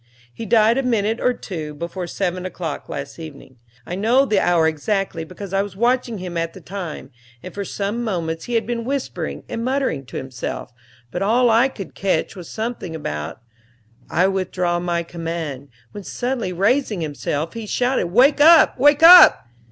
He died a minute or two before seven o'clock last evening; I know the hour exactly, because I was watching him at the time, and for some moments he had been whispering and muttering to himself, but all I could catch was something about, "I withdraw my command;" when, suddenly raising himself, he shouted, "Wake up, wake up!"